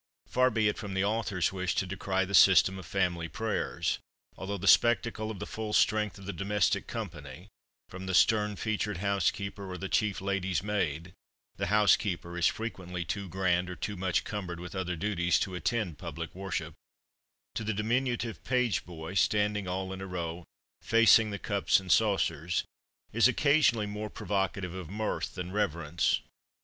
Far be it from the author's wish to decry the system of family prayers, although the spectacle of the full strength of the domestic company, from the stern featured housekeeper, or the chief lady's maid (the housekeeper is frequently too grand, or too much cumbered with other duties to attend public worship), to the diminutive page boy, standing all in a row, facing the cups and saucers, is occasionally more provocative of mirth than reverence.